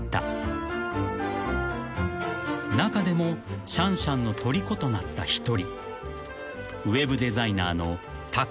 ［中でもシャンシャンのとりことなった１人］